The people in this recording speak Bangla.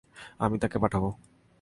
আমি তাকে পাঠাব।